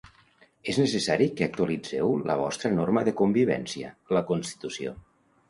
És necessari que actualitzeu la vostra norma de convivència, la Constitució.